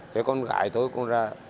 thế con gái tôi cũng ra